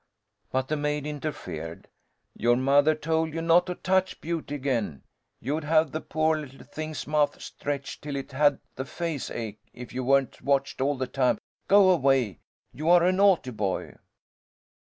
But the maid interfered. "Your mother told you not to touch Beauty again. You'd have the poor little thing's mouth stretched till it had the face ache, if you weren't watched all the time. Go away! You are a naughty boy!"